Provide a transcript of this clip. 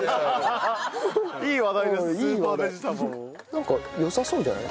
なんかよさそうじゃない？